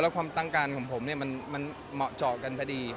และความตั้งการของผมเนี่ยมันเหมาะเจาะกันพอดี